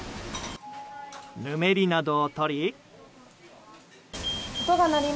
ぬめりなどを取り。